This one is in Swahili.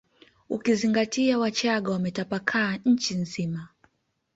Ukizingatia wachaga wametapakaa nchi nzima